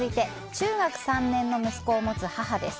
中学３年の息子を持つ母です。